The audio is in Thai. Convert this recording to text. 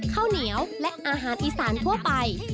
ข้าวเหนียวและอาหารอีสานทั่วไป